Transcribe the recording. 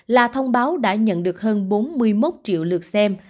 là thông báo đã nhận được hơn bốn mươi một triệu lượt xem